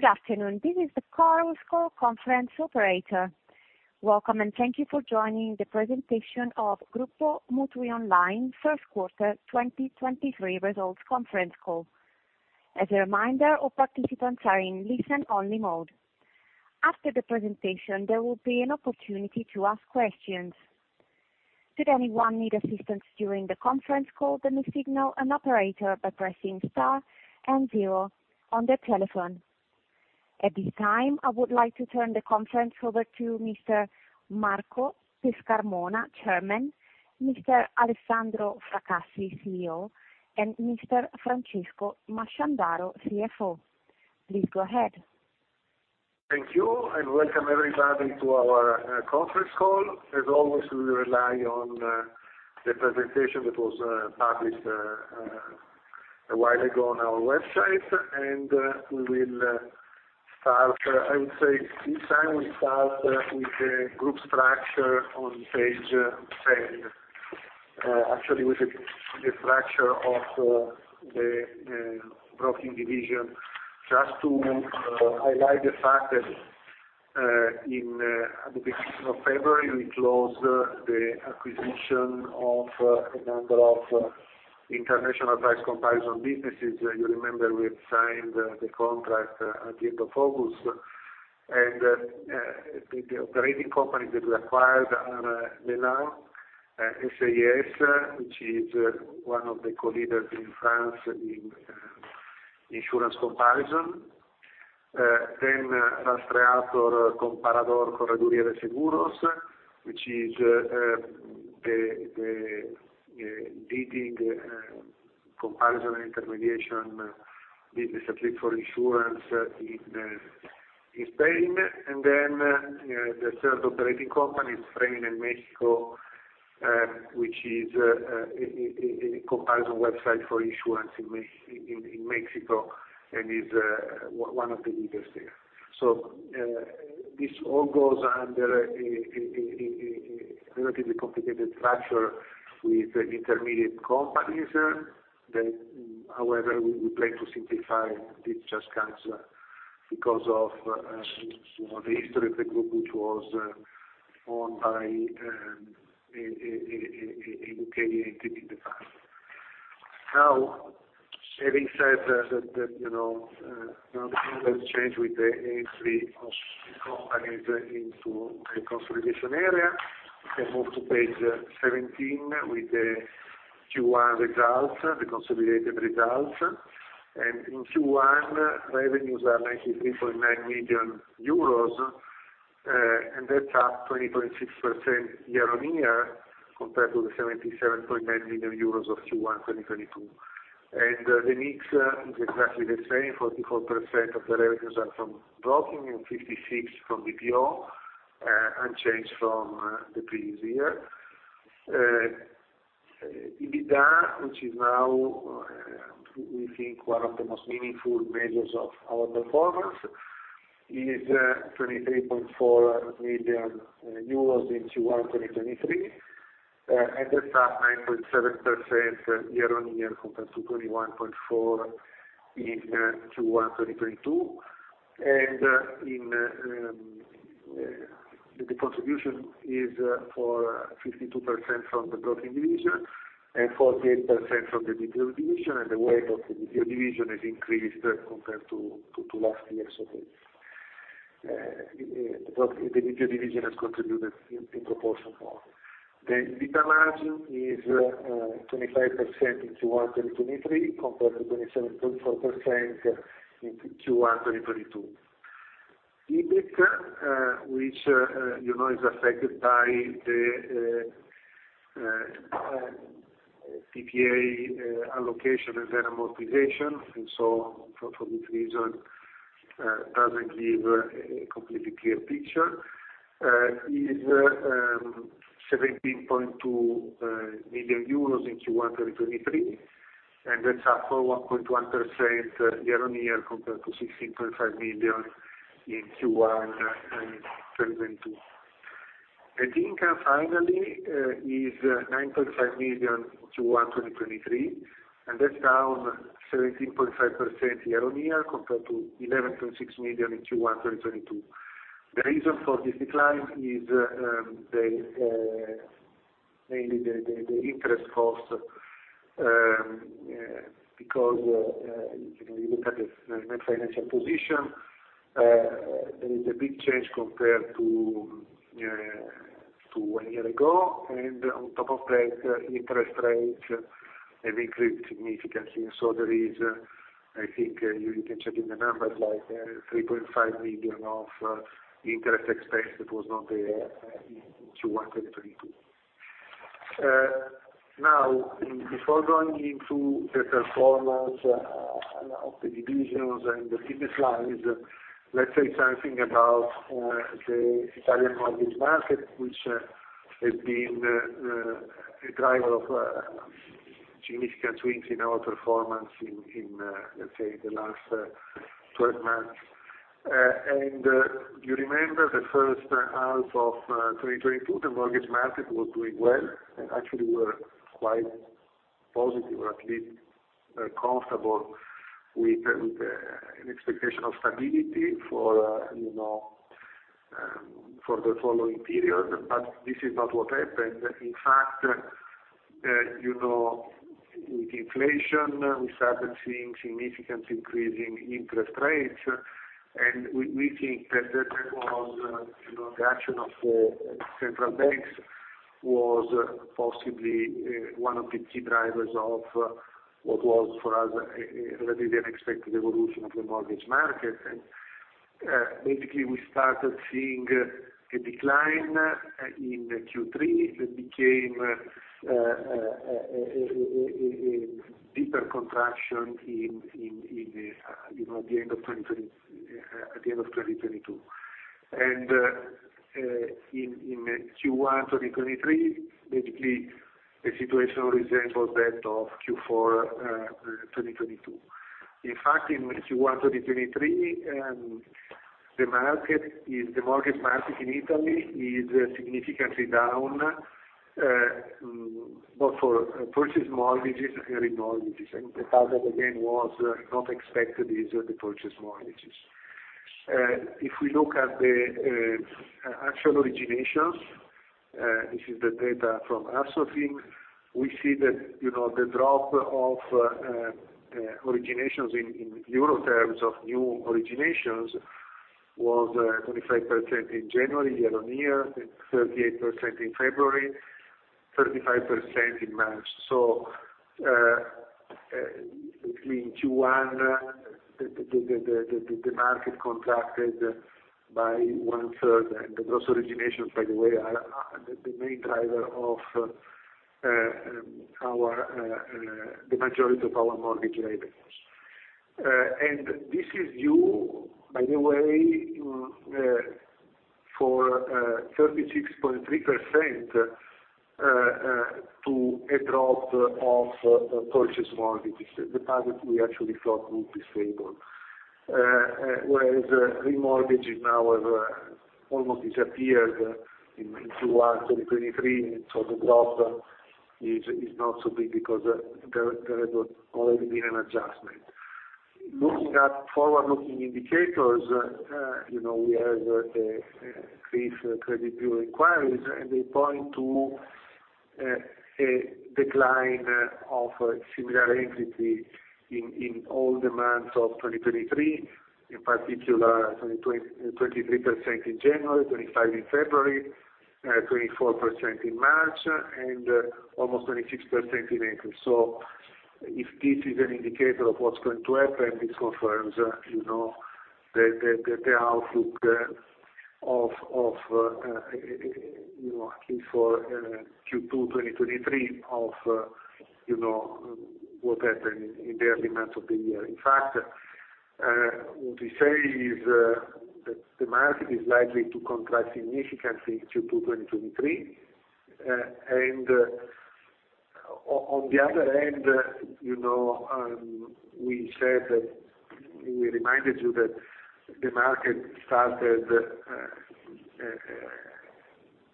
Good afternoon. This is the Chorus Call conference operator. Welcome. Thank you for joining the presentation of Gruppo MutuiOnline 1st Quarter 2023 Results Conference Call. As a reminder, all participants are in listen only mode. After the presentation, there will be an opportunity to ask questions. Should anyone need assistance during the conference call, they signal an operator by pressing star and zero on their telephone. At this time, I would like to turn the conference over to Mr. Marco Pescarmona, Chairman, Mr. Alessandro Fracassi, CEO, and Mr. Francesco Masciandaro, CFO. Please go ahead. Thank you, welcome everybody to our conference call. As always, we rely on the presentation that was published a while ago on our website, we will start. I would say this time we start with the group structure on page 10. Actually with the structure of the Broking Division. Just to highlight the fact that in the beginning of February, we closed the acquisition of a number of international price comparison businesses. You remember we have signed the contract at the end of August. The operating company that we acquired are LeLynx SAS, which is one of the co-leaders in France in insurance comparison. Rastreator Comparador Correduría de Seguros, which is the leading comparison intermediation business, at least for insurance in Spain. The third operating company is Preminen Mexico, which is a comparison website for insurance in Mexico, and is one of the leaders there. This all goes under a relatively complicated structure with intermediate companies that, however, we plan to simplify these transcripts because of, you know, the history of the group, which was owned by a entity in the past. Now, having said that, you know, you know, the things have changed with the entry of, into the consolidation area. We can move to page 17 with the Q1 results, the consolidated results. In Q1, revenues are 93.9 million euros, and that's up 20.6% year-on-year compared to the 77.9 million euros of Q1 2022. The mix is exactly the same. 44% of the revenues are from Broking and 56% from BPO, unchanged from the previous year. EBITDA, which is now, we think one of the most meaningful measures of our performance, is 23.4 million euros in Q1 2023. That's up 9.7% year-on-year compared to 21.4 million in Q1 2022. The contribution is for 52% from the Broking Division and 48% from the BPO Division, and the weight of the BPO Division has increased compared to last year. The BPO division has contributed in proportion more. The EBITDA margin is 25% in Q1 2023 compared to 27.4% in Q1 2022. EBITDA, which, you know, is affected by the PPA allocation and then amortization, and so for this reason, doesn't give a completely clear picture, is 17.2 million EUR in Q1 2023, and that's up 4.1% year-on-year compared to 16.5 million EUR in Q1 2022. Net income, finally, is 9.5 million EUR Q1 2023, and that's down 17.5% year-on-year compared to 11.6 million EUR in Q1 2022. The reason for this decline is mainly the interest cost, because, you know, you look at the net financial position, there is a big change compared to a year ago. On top of that, interest rates have increased significantly. There is, I think you can check in the numbers, like 3.5 million of interest expense that was not there in Q1 2022. Now before going into the performance, of the divisions and the business lines, let's say something about the Italian mortgage market, which has been a driver of significant swings in our performance in, let's say the last 12 months. You remember the first half of 2022, the mortgage market was doing well, and actually we're quite positive or at least comfortable with an expectation of stability for, you know, for the following period. This is not what happened. In fact, you know, with inflation, we started seeing significant increase in interest rates, and we think that was, you know, the action of the central banks was possibly one of the key drivers of what was for us, a really unexpected evolution of the mortgage market. Basically we started seeing a decline in Q3 that became a deeper contraction in, you know, at the end of 2020, at the end of 2022. In Q1 2023, basically the situation resembles that of Q4 2022. In fact, in Q1 2023, the mortgage market in Italy is significantly down both for purchase mortgages and remortgages. The target again was not expected is the purchase mortgages. If we look at the actual originations, this is the data from Assofin, we see that, you know, the drop of originations in EUR terms of new originations was 25% in January year-on-year, then 38% in February, 35% in March. Between Q1, the market contracted by one third. The gross originations, by the way, are the main driver of the majority of our mortgage revenues. This is due, by the way, for 36.3% to a drop of purchase mortgages, the product we actually thought would be stable. Whereas remortgages now have almost disappeared in Q1 2023, so the drop is not so big because there had already been an adjustment. Looking at forward-looking indicators, you know, we have CRIF credit bureau inquiries, and they point to a decline of a similar entity in all the months of 2023, in particular, 23% in January, 25% in February, 24% in March, and almost 26% in April. If this is an indicator of what's going to happen, it confirms, you know, that the outlook, you know, at least for Q2 2023 of, you know, what happened in the early months of the year. In fact, what we say is that the market is likely to contract significantly in Q2 2023. On the other hand, you know, we said that, we reminded you that the market started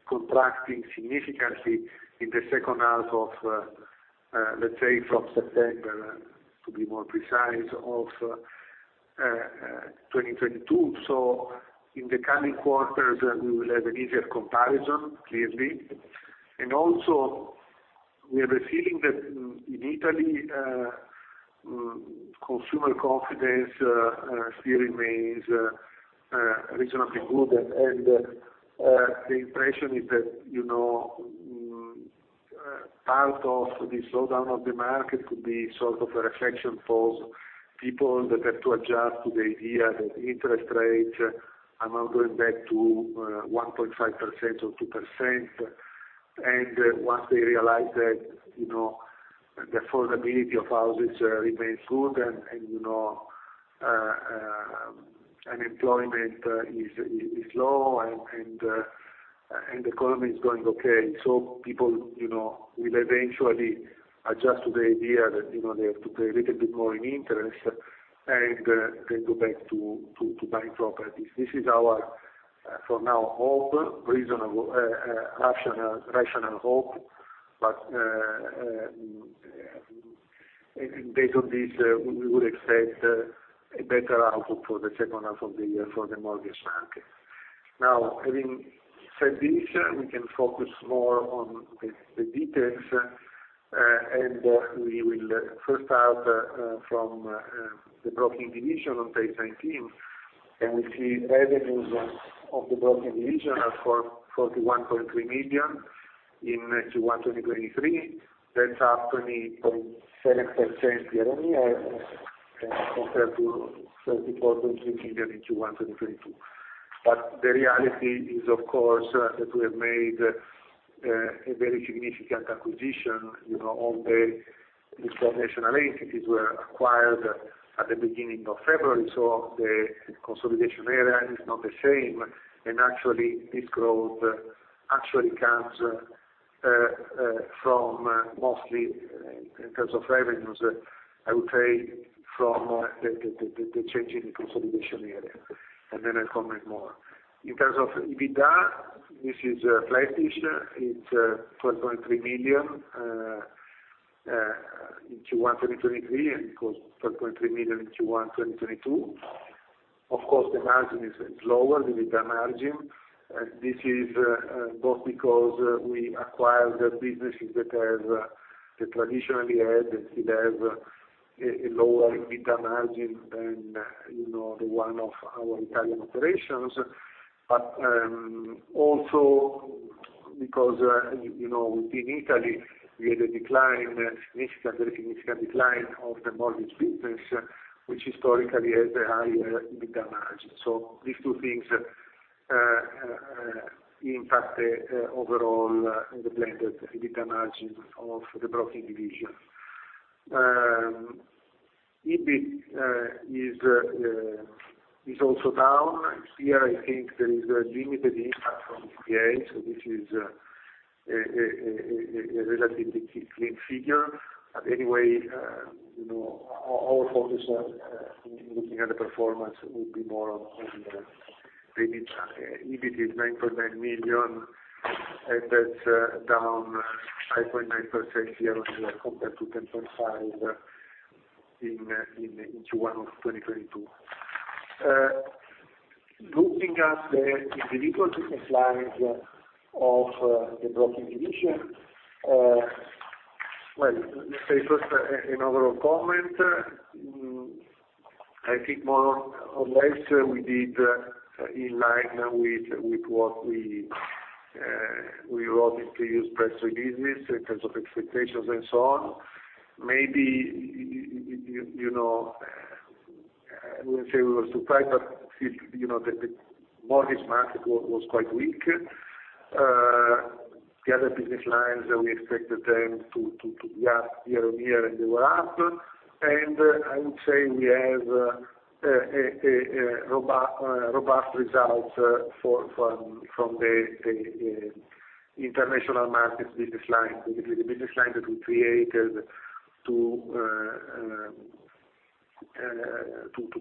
contracting significantly in the second half of, let's say from September, to be more precise, of 2022. In the coming quarters we will have an easier comparison, clearly. Also, we have a feeling that in Italy, consumer confidence still remains reasonably good. The impression is that, you know, part of the slowdown of the market could be sort of a reflection for people that have to adjust to the idea that interest rates are not going back to 1.5% or 2%. Once they realize that, you know, the affordability of houses remains good and, you know, unemployment is low and the economy is going okay. People, you know, will eventually adjust to the idea that, you know, they have to pay a little bit more in interest and then go back to buying properties. This is our, for now, hope, reasonable, rational hope. Based on this, we would expect a better outlook for the second half of the year for the mortgage market. Now, having said this, we can focus more on the details, and we will first start from the Broking Division on page 19. We see revenues of the Broking Division are for 41.3 million in Q1 2023. That's up 20.7% year-on-year, compared to EUR 34.3 million in Q1 2022. The reality is, of course, that we have made a very significant acquisition, you know, of these four national entities were acquired at the beginning of February. The consolidation area is not the same. Actually, this growth actually comes from mostly in terms of revenues I would say from the change in the consolidation area, and then I'll comment more. In terms of EBITDA, this is flatish. It's 12.3 million in Q1 2023, and it was 12.3 million in Q1 2022. Of course, the margin is lower, the EBITDA margin. This is both because we acquired businesses that have that traditionally had and still have a lower EBITDA margin than, you know, the one of our Italian operations. Also because, you know, in Italy, we had a decline, a significant, very significant decline of the mortgage business, which historically has a higher EBITDA margin. These two things impact overall the blended EBITDA margin of the Broking Division. EBIT is also down. Here, I think there is a limited impact from CBA, so this is a relatively clean figure. Anyway, you know, our focus in looking at the performance would be more on the EBITDA. EBIT is 9.9 million, and that's down 5.9% year-on-year compared to 10.5 million in Q1 of 2022. Looking at the individual business lines of the Broking Division, well, let's say first a, an overall comment. I think more or less we did in line with what we wrote in the press release in terms of expectations and so on. Maybe, you know, I wouldn't say we were surprised, but, you know, the mortgage market was quite weak. The other business lines, we expected them to be up year-on-year, and they were up. I would say we have a robust result from the international markets business line, the business line that we created to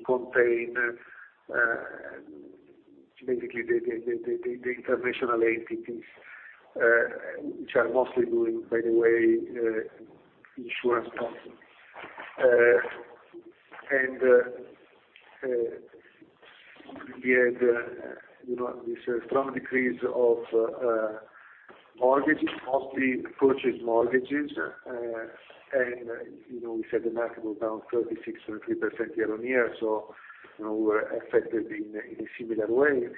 contain basically the international entities, which are mostly doing, by the way, insurance broking. We had, you know, this strong decrease of mortgages, mostly purchase mortgages. You know, we said the market was down 36.3% year-on-year, so, you know, we were affected in a similar way.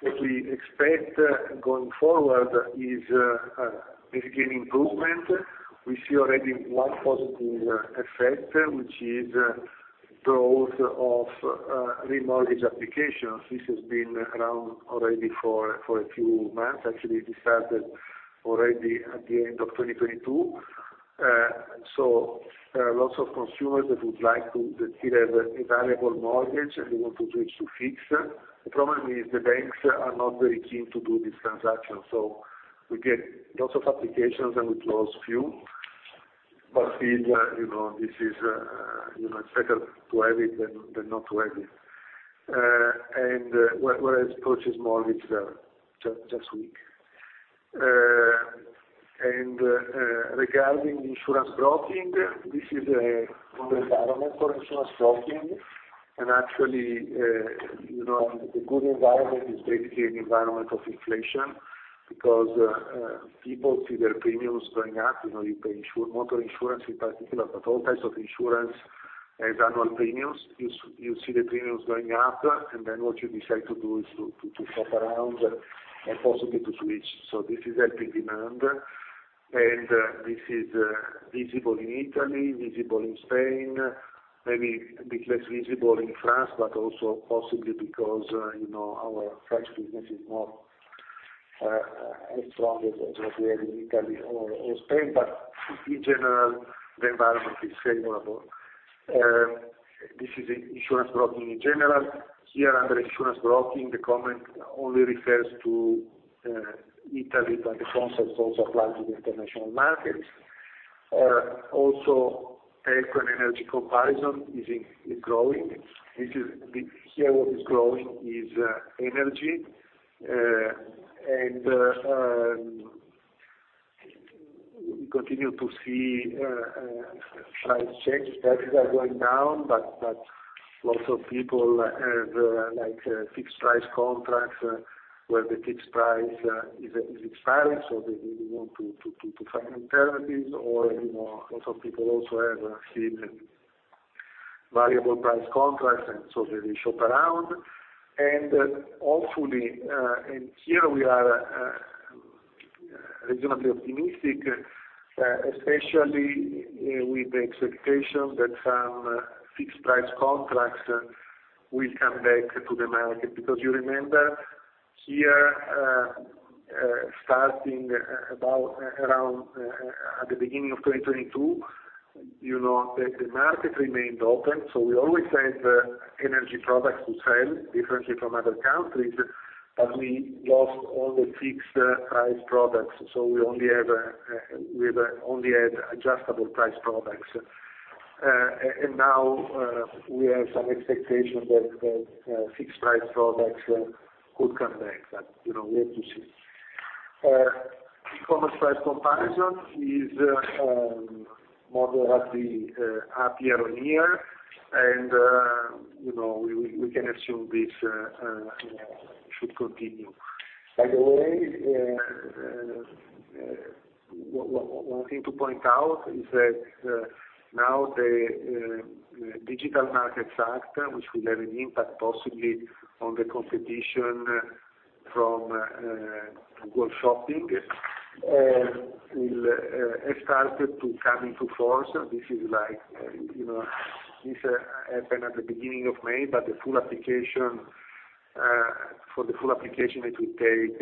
What we expect going forward is basically an improvement. We see already one positive effect, which is growth of remortgage applications. This has been around already for a few months. Actually, this started already at the end of 2022. Lots of consumers that still have a variable mortgage, and they want to switch to fixed. The problem is the banks are not very keen to do this transaction. We get lots of applications, and we close few. Still, you know, this is, you know, it's better to have it than not to have it. Whereas purchase mortgage are just weak. Regarding insurance broking, this is a good environment for insurance broking. Actually, you know, a good environment is basically an environment of inflation because people see their premiums going up. You know, you pay motor insurance in particular, but all kinds of insurance has annual premiums. You see the premiums going up, and then what you decide to do is to shop around and possibly to switch. This is helping demand. This is visible in Italy, visible in Spain, maybe a bit less visible in France, but also possibly because, you know, our French business is not as strong as we have in Italy or Spain. In general, the environment is favorable. This is in insurance broking in general. Here, under insurance broking, the comment only refers to Italy, but the concepts also apply to the international markets. Also, air and energy comparison is growing. Here, what is growing is energy. We continue to see price checks. Prices are going down, but lots of people have like fixed price contracts where the fixed price is expiring, so they really want to find alternatives. You know, lots of people also have still variable price contracts, they shop around. Hopefully, and here we are reasonably optimistic, especially with the expectation that some fixed price contracts will come back to the market. You remember here, starting about around at the beginning of 2022, you know that the market remained open, we always had energy products to sell differently from other countries. We lost all the fixed price products, we have only had adjustable price products. Now, we have some expectation that the fixed price products could come back, but, you know, we have to see. E-commerce price comparison is more or less the up year-over-year, and, you know, we can assume this, you know, should continue. By the way, one thing to point out is that now the Digital Markets Act, which will have an impact possibly on the competition from Google Shopping, will started to come into force. This is like, you know, this happened at the beginning of May, but the full application, for the full application it will take,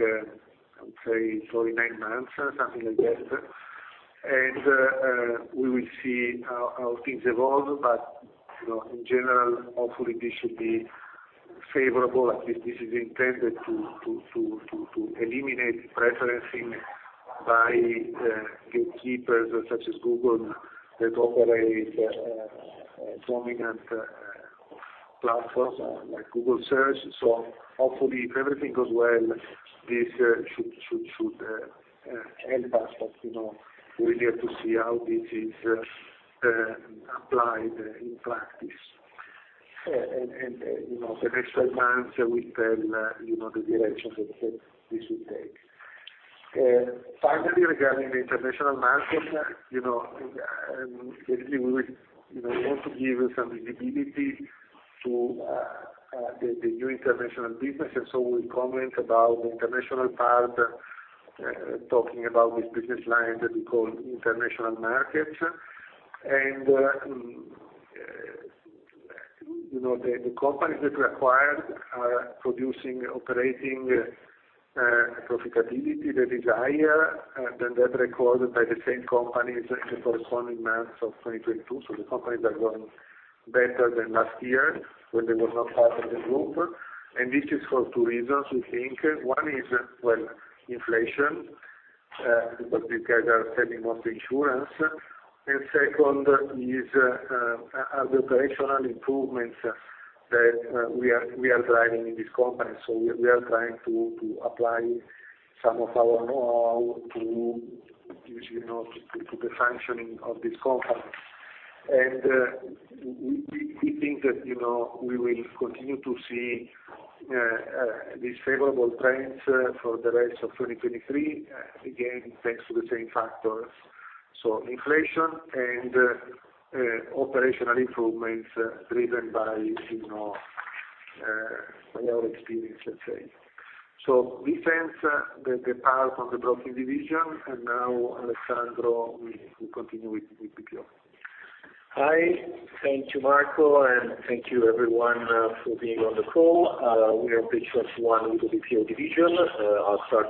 I would say probably nine months, something like that. We will see how things evolve. You know, in general, hopefully this should be favorable. At least this is intended to eliminate preferencing by gatekeepers such as Google that operate dominant platforms like Google Search. Hopefully, if everything goes well, this should help us. You know, we will have to see how this is applied in practice. You know, the next 12 months will tell, you know, the direction that this will take. Finally regarding the international market, you know, usually we will, you know, want to give some visibility to the new international businesses. We'll comment about the international part, talking about this business line that we call International Markets. You know, the companies that acquired are producing operating profitability, the desire than that recorded by the same companies in the corresponding months of 2022. The companies are going better than last year when they were not part of the group. This is for two reasons, we think. One is, well, inflation, because these guys are selling mostly insurance. Second is, other operational improvements that we are driving in this company. We are trying to apply some of our know-how to, you see, you know, to the functioning of this company. We think that, you know, we will continue to see these favorable trends for the rest of 2023, again, thanks to the same factors. Inflation and operational improvements driven by, you know, our experience, let's say. This ends the part on the Broking Division. Now Alessandro will continue with the BPO. Hi. Thank you, Marco, and thank you everyone for being on the call. We are on page 21 with the BPO division. I'll start.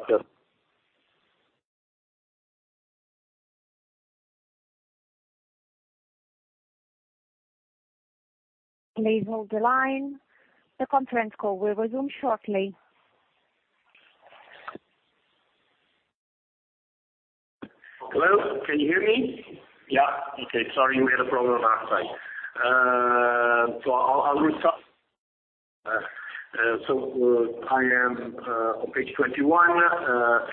Please hold the line. The conference call will resume shortly. Hello, can you hear me? Yeah. Okay, sorry, we had a problem outside. I'll restart. I am on page 21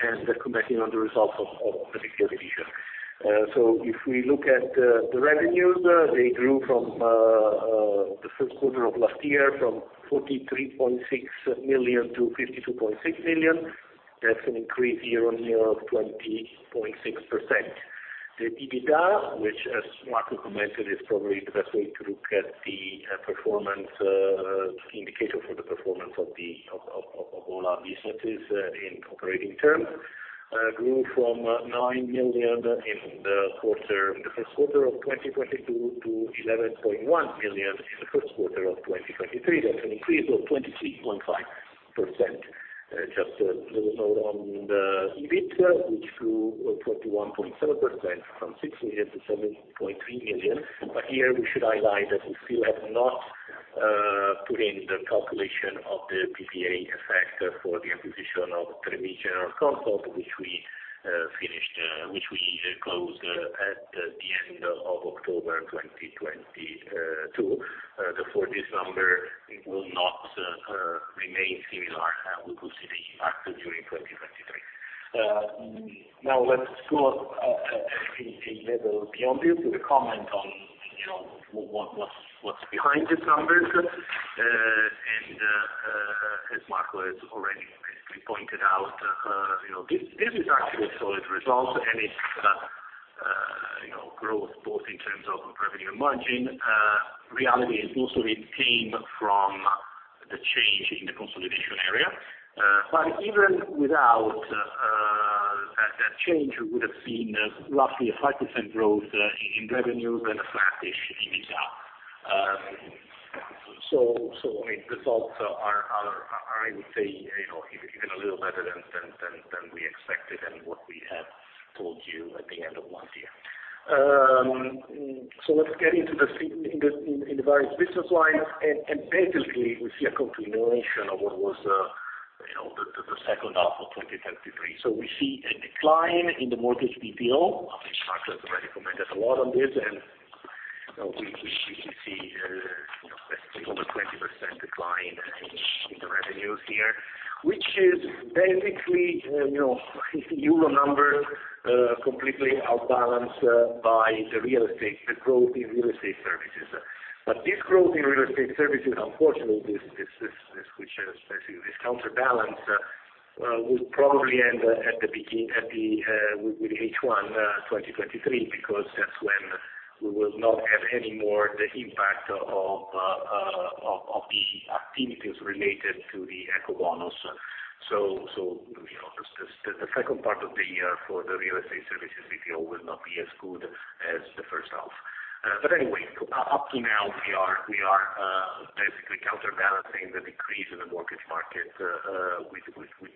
and commenting on the results of the BPO division. If we look at the revenues, they grew from the first quarter of last year from 43.6 million to 52.6 million. That's an increase year-on-year of 20.6%. The EBITDA, which, as Marco commented, is probably the best way to look at the performance, key indicator for the performance of all our businesses, in operating terms, grew from 9 million in the quarter, in the first quarter of 2022 to 11.1 million in the first quarter of 2023. That's an increase of 23.5%. Just a little note on the EBIT, which grew 41.7% from 6 million to 7.3 million. Here we should highlight that we still have not put in the calculation of the PPA effect for the acquisition of Trebi Generalconsult, which we finished, which we closed at the end of October 2022. Therefore this number will not remain similar, and we will see the impact during 2023. Now let's go a little beyond this with a comment on, you know, what's behind the numbers. As Marco has already basically pointed out, you know, this is actually a solid result, and it's, you know, growth both in terms of revenue margin. Reality is also it came from the change in the consolidation area. Even without change, we would have seen roughly a 5% growth in revenue than a flattish EBITDA. I mean, results are, I would say, you know, even a little better than we expected and what we had told you at the end of last year. Let's get into the various business lines. Basically, we see a continuation of what was, you know, the second half of 2023. We see a decline in the mortgage BPO, I think Marco has already commented a lot on this. We can see, you know, basically over 20% decline in the revenues here, which is basically, you know, Euro numbers completely outbalanced by the real estate, the growth in real estate services. This growth in real estate services, unfortunately, this which basically this counterbalance will probably end with H1 2023, because that's when we will not have any more the impact of the activities related to the Ecobonus. You know, the second part of the year for the real estate services BPO will not be as good as the first half. Anyway, up to now, we are basically counterbalancing the decrease in the mortgage market with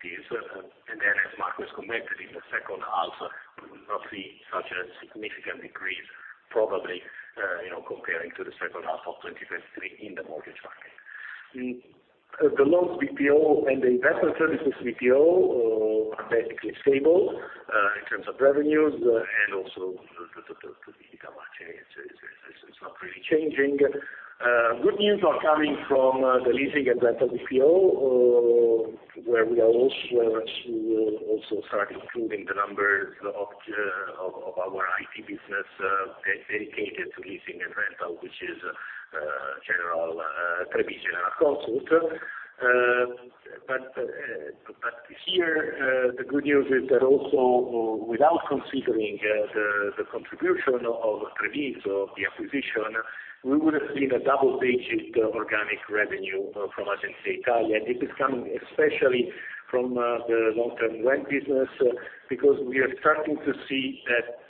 this. Then as Marco has commented, in the second half, we will not see such a significant decrease probably, you know, comparing to the second half of 2023 in the mortgage market. The Loans BPO and the Investment Services BPO are basically stable in terms of revenues, and also the EBITDA is not really changing. Good news are coming from the Leasing & Rental BPO, where we are also start including the numbers of our IT business dedicated to leasing and rental, which is Trebi Generalconsult. Here, the good news is that also, without considering, the contribution of Trebi or the acquisition, we would have seen a double-digit organic revenue from Agenzia Italia. This is coming especially from the long-term rent business, because we are starting to see that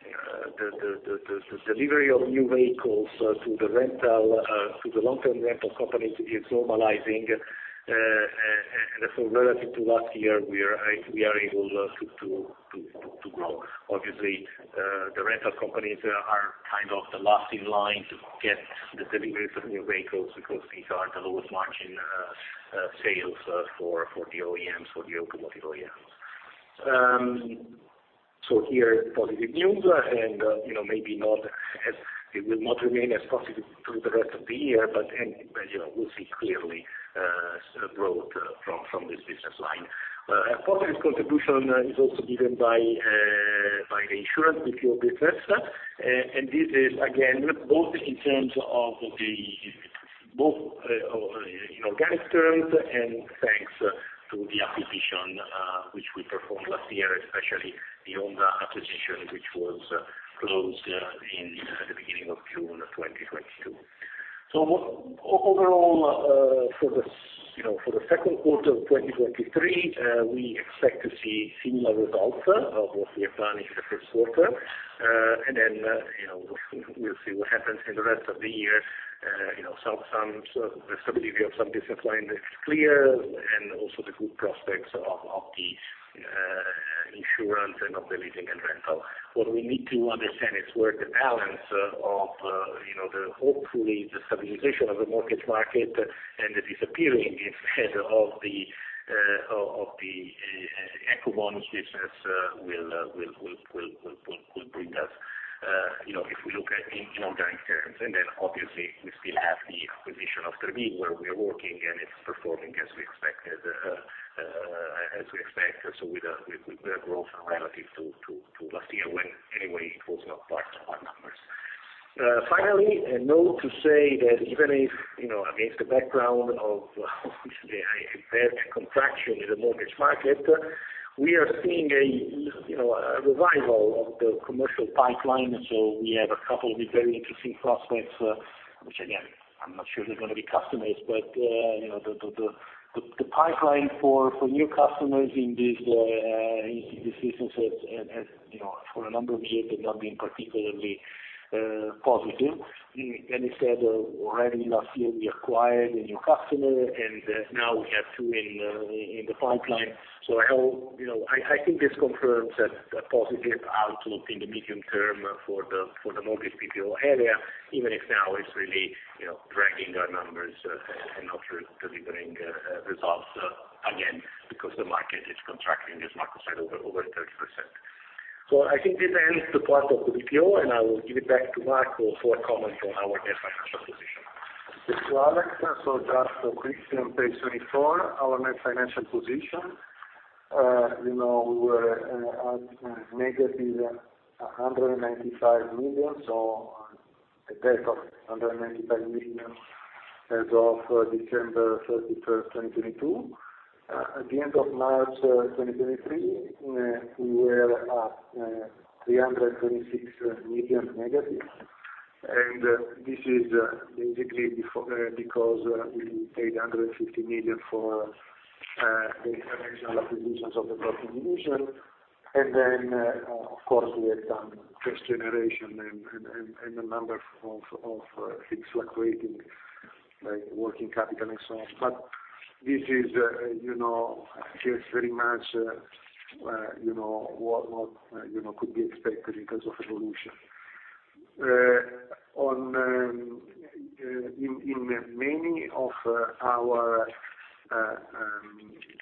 the delivery of new vehicles to the rental, to the long-term rental companies is normalizing. Relative to last year, we are able to grow. Obviously, the rental companies are kind of the last in line to get the deliveries of new vehicles because these are the lowest margin sales for the OEMs, for the automotive OEMs. Here positive news and, you know, maybe not as, It will not remain as positive through the rest of the year, but, and, but, you know, we'll see clearly, growth from this business line. A positive contribution is also given by the Insurance BPO business. This is again, both in terms of Both, in organic terms and thanks to the acquisition, which we performed last year, especially the Onda acquisition, which was closed in the beginning of June 2022. Overall, for this, you know, for the second quarter of 2023, we expect to see similar results of what we have done in the first quarter. Then, you know, we'll see what happens in the rest of the year. you know, some stability of some business line is clear and also the good prospects of the Insurance and of the Leasing & Rental. What we need to understand is where the balance of, you know, the hopefully the stabilization of the mortgage market and the disappearing instead of the of the Ecobonus business will bring us, you know, if we look at in organic terms. Obviously we still have the acquisition of Trebi where we are working and it's performing as we expected, as we expect. With a growth relative to last year when anyway it was not part of our numbers. Finally, a note to say that even if, you know, against the background of a bad contraction in the mortgage market, we are seeing a, you know, a revival of the commercial pipeline. We have two very interesting prospects, which again, I'm not sure they're gonna be customers. You know, the pipeline for new customers in this business has, you know, for a number of years has not been particularly positive. Instead already last year we acquired one new customer, and now we have two in the pipeline. I hope you know. I think this confirms that a positive outlook in the medium term for the, for the mortgage BPO area, even if now it's really, you know, dragging our numbers, and not delivering results again, because the market is contracting, as Marco said, over 30%. I think this ends the part of the BPO, and I will give it back to Marco for a comment on our net financial position. Thanks to Alex. Just quickly on page 24, our net financial position. You know, we were at -195 million, so a debt of 195 million as of December 31st, 2022. At the end of March 2023, we were at EUR 326 million negative. This is basically because we paid 150 million for the international acquisitions of the Broking Division. Of course, we had some first generation and a number of things like waiting, like working capital and so on. This is, you know, just very much, you know, what, you know, could be expected in terms of evolution. On, in many of our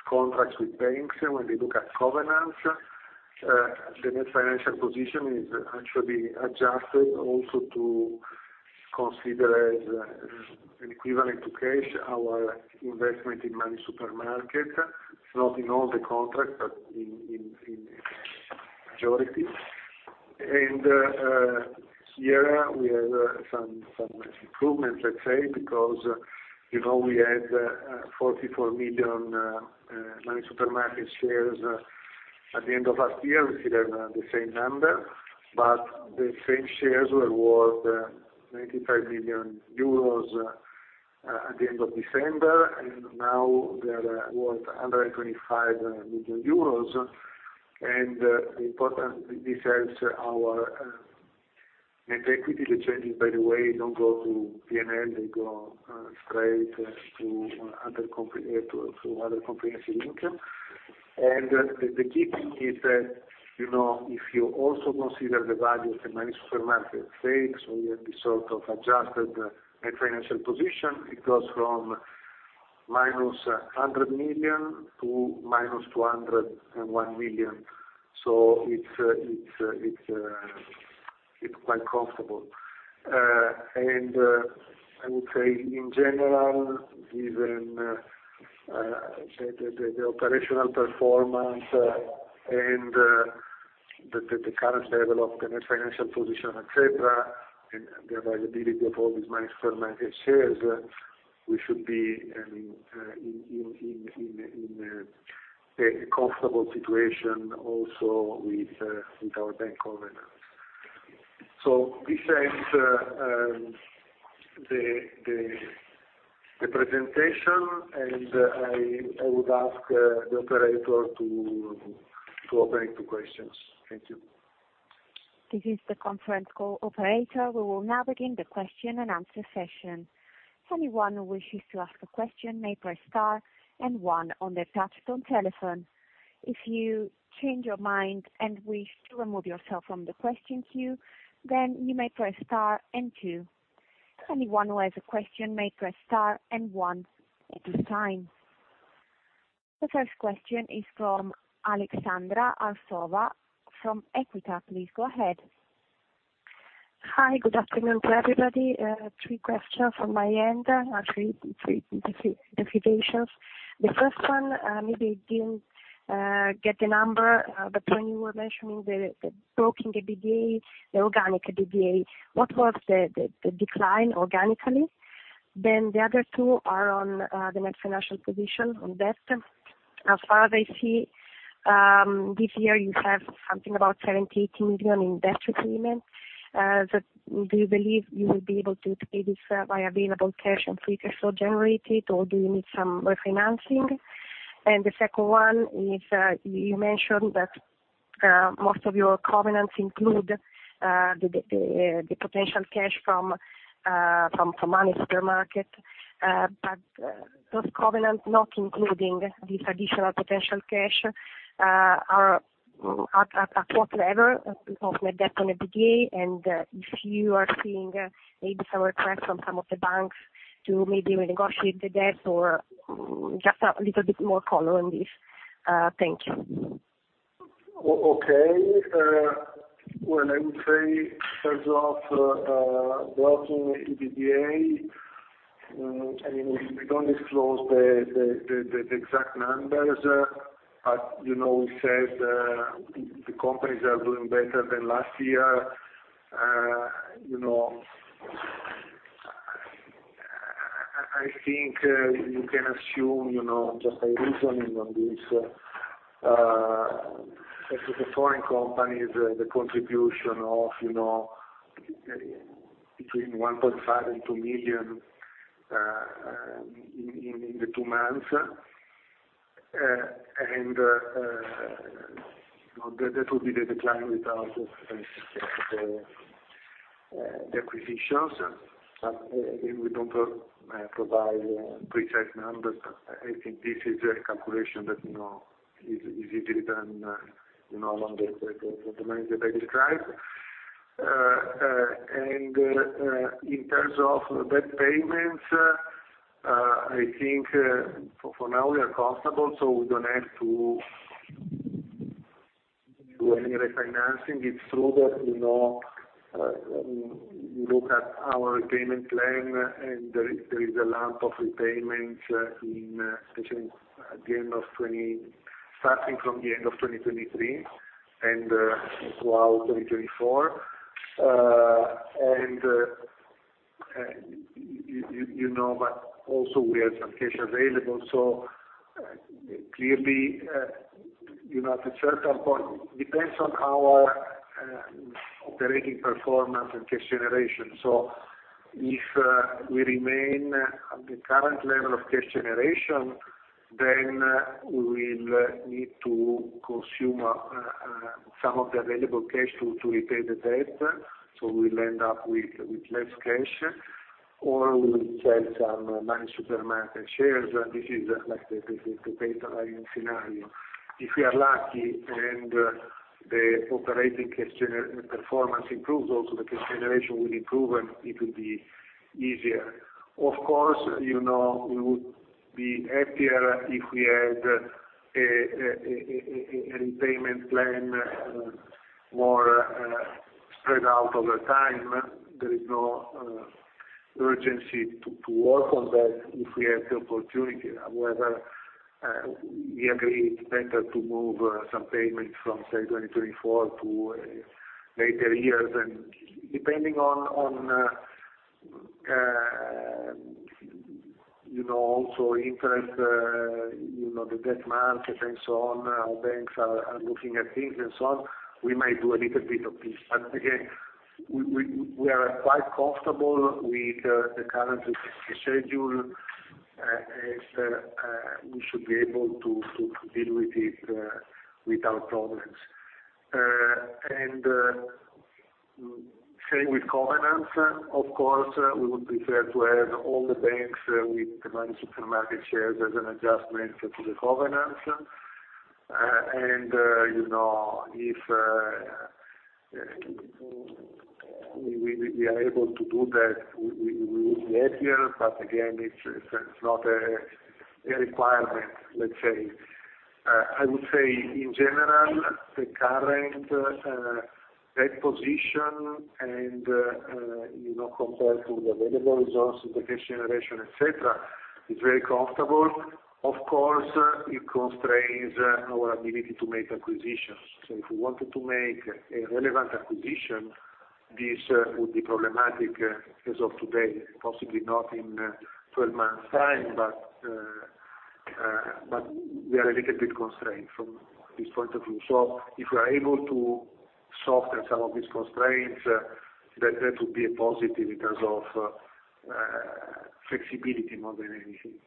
contracts with banks, when they look at governance, the net financial position is actually adjusted also to consider as an equivalent to cash our investment in MoneySuperMarket. It's not in all the contracts, but in majority. Here we have some improvements, let's say, because, you know, we had 44 million MoneySuperMarket shares at the end of last year. We still have the same number, but the same shares were worth 95 million euros at the end of December, and now they are worth 125 million euros. Important, this helps our net equity. The changes, by the way, don't go to P&L. They go straight to other comprehensive income. The key thing is that, you know, if you also consider the value that MoneySuperMarket takes, we have this sort of adjusted net financial position. It goes from -100 million to -201 million. It's quite comfortable. I would say in general, given the operational performance, and the current level of the net financial position, et cetera, and the availability of all these MoneySuperMarket shares, we should be, I mean, in a comfortable situation also with our bank governance. This ends the presentation, and I would ask the operator to open to questions. Thank you. This is the conference call operator. We will now begin the question-and-answer session. Anyone who wishes to ask a question may press star one on their touchtone telephone. If you change your mind and wish to remove yourself from the question queue, then you may press star two. Anyone who has a question may press star one at this time. The first question is from Aleksandra Arsova from Equita. Please go ahead. Hi. Good afternoon to everybody. Three questions from my end. Actually three different issues. The first one, maybe didn't get the number, but when you were mentioning the Broking EBITDA, the organic EBITDA, what was the decline organically? The other two are on the net financial position on debt. As far as I see, this year you have something about 70 million-80 million in debt repayment. Do you believe you will be able to pay this by available cash and free cash flow generated, or do you need some refinancing? The second one is, you mentioned that most of your covenants include the potential cash from MoneySuperMarket. Those covenants not including this additional potential cash are at what level of net debt on EBITDA? If you are seeing any pressure from some of the banks to maybe renegotiate the debt or just a little bit more color on this? Thank you. Okay. Well, I would say in terms of Broking EBITDA, I mean, we don't disclose the exact numbers. You know, we said the companies are doing better than last year. You know, I think you can assume, you know, just by reasoning on this, since the foreign companies, the contribution of, you know, between 1.5 million and 2 million in the two months, and, you know, that would be the decline without the acquisitions. Again, we don't provide precise numbers, but I think this is a calculation that, you know, is easily done, you know, along the lines that I described. In terms of debt payments, I think for now we are comfortable, so we don't have to do any refinancing. It's true that, you know, you look at our repayment plan, and there is a lot of repayments, especially at the end of 2023 and throughout 2024. You know, but also we have some cash available. Clearly, you know, at a certain point, depends on our operating performance and cash generation. If we remain at the current level of cash generation, then we will need to consume some of the available cash to repay the debt. We will end up with less cash, or we will sell some MoneySuperMarket shares. This is like the baseline scenario. If we are lucky and the operating cash performance improves, also the cash generation will improve, and it will be easier. Of course, you know, we would be happier if we had a, a, a repayment plan more spread out over time. There is no urgency to work on that if we have the opportunity. However, we agree it's better to move some payments from, say, 2024 to later years. And depending on, you know, also interest, you know, the debt market and so on, our banks are looking at things and so on, we might do a little bit of this. But again, we are quite comfortable with the current repayment schedule. We should be able to deal with it without problems. Say with covenants, of course, we would prefer to have all the banks with the MoneySuperMarket shares as an adjustment to the covenants. You know, if we are able to do that, we would be happier. Again, it's not a requirement, let's say. I would say in general, the current debt position and, you know, compared to the available resource and the cash generation, et cetera, is very comfortable. Of course, it constrains our ability to make acquisitions. If we wanted to make a relevant acquisition, this would be problematic as of today, possibly not in 12 months' time. We are a little bit constrained from this point of view. if we are able to soften some of these constraints, that would be a positive in terms of flexibility more than anything.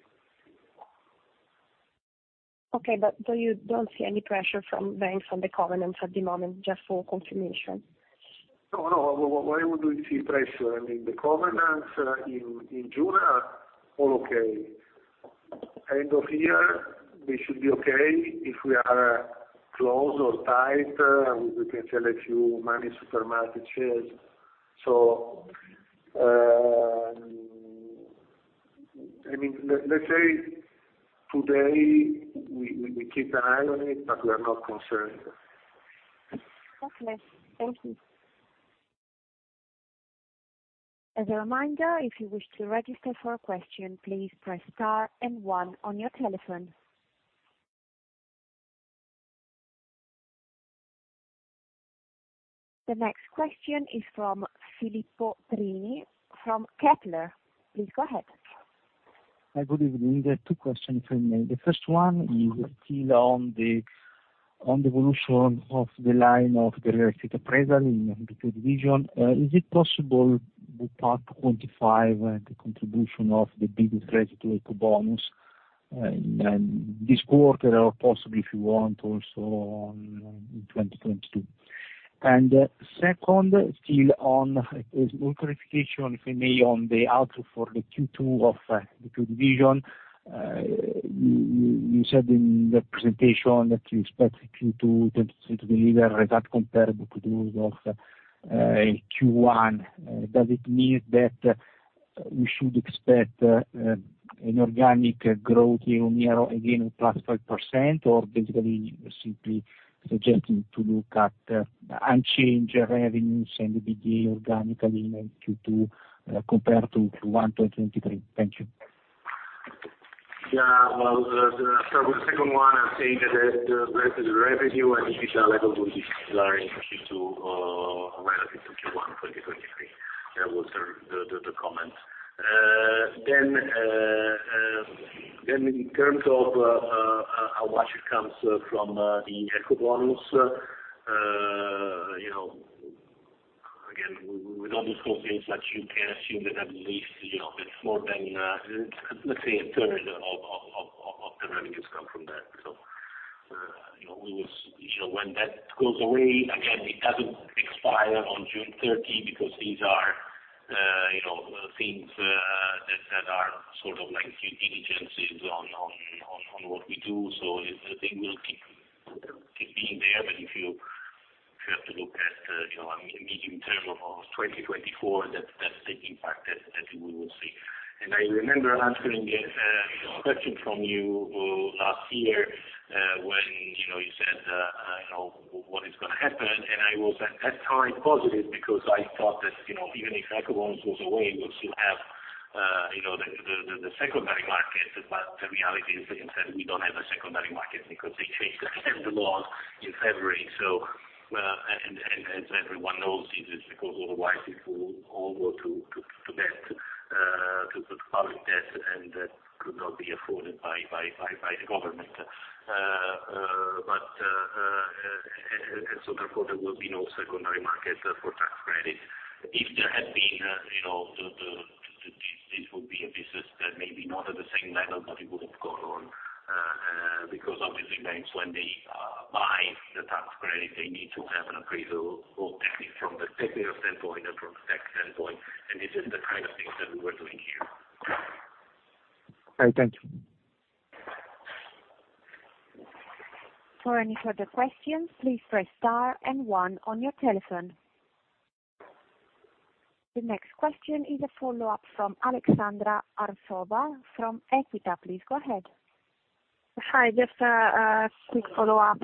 Okay. You don't see any pressure from banks on the covenants at the moment? Just for confirmation. No, no. Why would we see pressure? I mean, the covenants in June are all okay. End of year, they should be okay. If we are close or tight, we can sell a few MoneySuperMarket shares. I mean, let's say today we keep an eye on it, but we are not concerned. Okay. Thank you. As a reminder, if you wish to register for a question, please press star and one on your telephone. The next question is from Filippo Prini from Kepler. Please go ahead. Hi, good evening. There are two questions for me. The first one is still on the evolution of the line of the real estate appraisal in the two division. Is it possible to part 25 the contribution of the biggest credit Ecobonus in this quarter or possibly if you want also in 2022? Second, still on more clarification, if I may, on the outlook for the Q2 of the two division. You said in the presentation that you expect Q2 2023 to deliver result comparable to those of Q1. Does it mean that we should expect an organic growth year-over-year again +5% or basically simply suggesting to look at unchanged revenues and the EBITDA organically in Q2 compared to Q1 2023? Thank you. Well, the, so the second one, I'm saying that the rest is revenue and it should be level with this line Q2, relative to Q1 2023. That was the comment. In terms of how much it comes from the Ecobonus, you know, again, with all these four things that you can assume that at least, you know, it's more than, let's say a third of the revenues come from that. You know, we will. You know, when that goes away, again, it doesn't expire on June 30 because these are, you know, things that are sort of like due diligences on what we do. They will keep being there. If you, if you have to look at, you know, a medium term of 2024, that's the impact that we will see. I remember answering a question from you, last year, when, you know, you said, what is gonna happen. I was entirely positive because I thought that, you know, even if Ecobonus goes away, we'll still have You know, the secondary market, the reality is that we don't have a secondary market because they changed the law in February. As everyone knows, it is because otherwise people all go to debt, to public debt, and that could not be afforded by the government. Therefore there will be no secondary market for tax credits. If there had been, you know, this would be a business that maybe not at the same level, but it would have gone on because obviously banks when they buy the tax credit, they need to have an appraisal both from the technical standpoint and from the tax standpoint. This is the kind of things that we were doing here. All right. Thank you. For any further questions, please press star and one on your telephone. The next question is a follow-up from Aleksandra Arsova from Equita. Please go ahead. Hi. Just a quick follow-up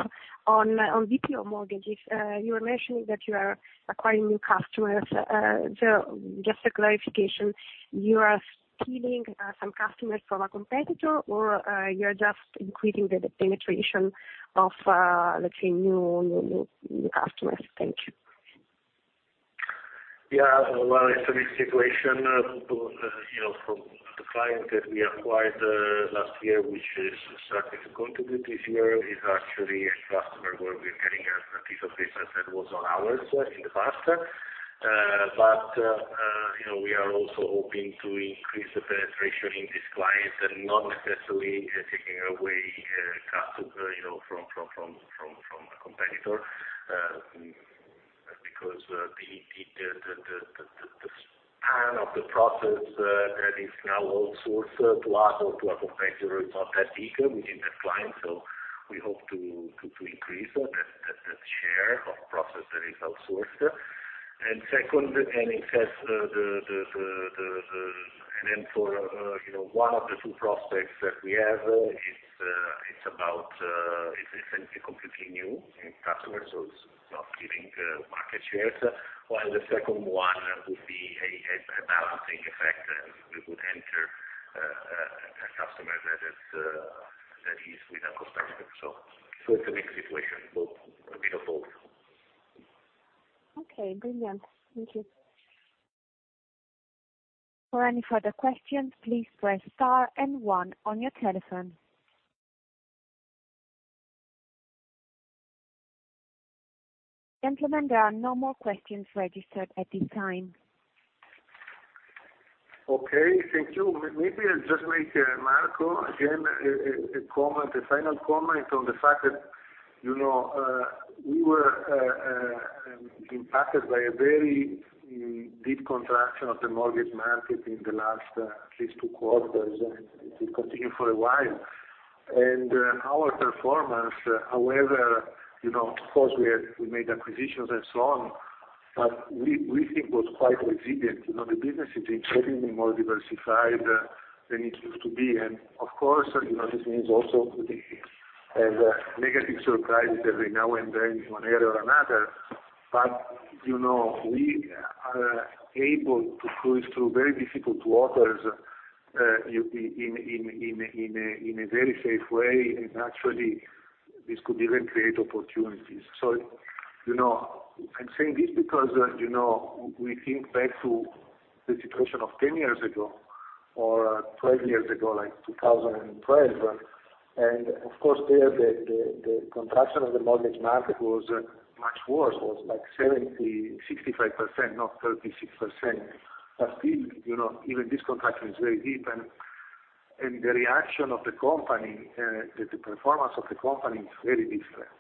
on BPO mortgages. You were mentioning that you are acquiring new customers. Just a clarification, you are stealing some customers from a competitor, or you're just increasing the penetration of, let's say new customers? Thank you. Yeah. Well, it's a mixed situation. you know, from the client that we acquired, last year, which has started to contribute this year, is actually a customer where we're getting a piece of business that was on ours in the past. you know, we are also hoping to increase the penetration in this client and not necessarily taking away, custom, you know, from a competitor, because the span of the process, that is now outsourced to us or to our competitors are that bigger within that client, so we hope to increase the share of process that is outsourced. Second, it has the You know, one of the two prospects that we have, it's about, it's essentially completely new customers, so it's not giving market shares. The second one would be a balancing effect, and we would enter a customer that is with our perspective. So it's a mixed situation, both, a bit of both. Okay. Brilliant. Thank you. For any further questions, please press star and one on your telephone. Gentlemen, there are no more questions registered at this time. Okay. Thank you. Maybe I'll just make Marco, again, a comment, a final comment on the fact that, you know, we were impacted by a very deep contraction of the mortgage market in the last at least two quarters, and it will continue for a while. Our performance, however, you know, of course, We made acquisitions and so on, but we think it was quite resilient. You know, the business is incredibly more diversified than it used to be. Of course, you know, this means also we take negative surprises every now and then in one area or another. You know, we are able to cruise through very difficult waters in a very safe way. Actually, this could even create opportunities. You know, I'm saying this because, you know, we think back to the situation of 10 years ago or 12 years ago, like 2012. Of course there, the contraction of the mortgage market was much worse. It was like 70%-65%, not 36%. Still, you know, even this contraction is very deep and the reaction of the company, the performance of the company is very different.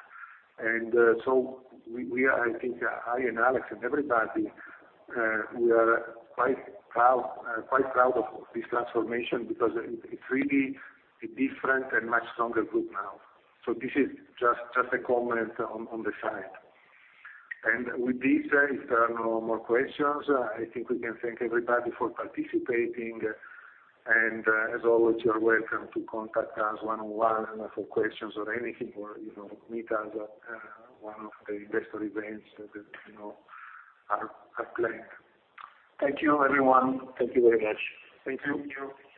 we are, I think, I and Alex and everybody, we are quite proud of this transformation because it's really a different and much stronger group now. This is just a comment on the side. With this, if there are no more questions, I think we can thank everybody for participating. As always, you're welcome to contact us one-on-one for questions or anything, or, you know, meet us at one of the investor events that, you know, are planned. Thank you, everyone. Thank you very much. Thank you.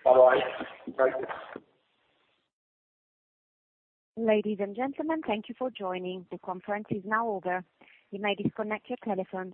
Bye-bye. Bye. Ladies and gentlemen, thank you for joining. The conference is now over. You may disconnect your telephones.